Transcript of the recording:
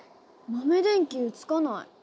豆電球つかない。